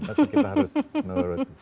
maksudnya kita harus nurut